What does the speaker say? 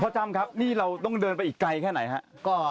จ้ำครับนี่เราต้องเดินไปอีกไกลแค่ไหนครับ